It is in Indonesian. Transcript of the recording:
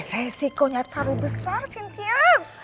resikonya terlalu besar sintia